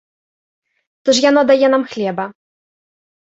То ж яно дае нам хлеба!